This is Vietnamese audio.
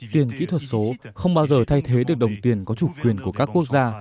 tiền kỹ thuật số không bao giờ thay thế được đồng tiền có chủ quyền của các quốc gia